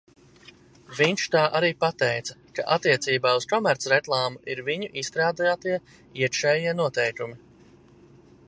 Viņš tā arī pateica, ka attiecībā uz komercreklāmu ir viņu izstrādātie iekšējie noteikumi.